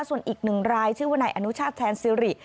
ส่วนอีกหนึ่งรายชื่อว่านายอนุชาติแทนซิริ